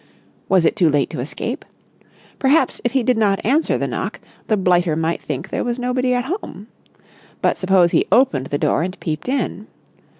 Was it too late to escape? Perhaps if he did not answer the knock, the blighter might think there was nobody at home. But suppose he opened the door and peeped in?